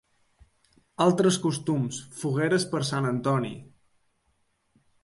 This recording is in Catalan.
Altres costums: fogueres per Sant Antoni.